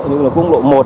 như là cúp lộ một